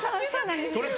そうなんです。